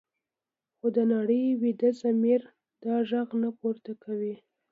خو د نړۍ ویده ضمیر دا غږ نه پورته کوي.